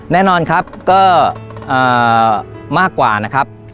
แน่นอนครับก็มากกว่านะครับ